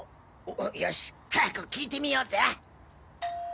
よし早く聞いてみようぜ！